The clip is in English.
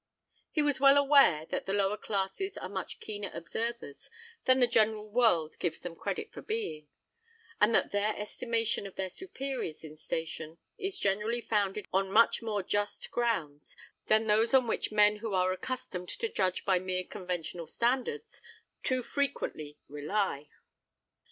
He was well aware that the lower classes are much keener observers than the general world gives them credit for being, and that their estimation of their superiors in station is generally founded on much more just grounds than those on which men who are accustomed to judge by mere conventional standards too frequently rely.